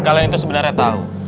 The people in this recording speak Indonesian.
kalian itu sebenarnya tahu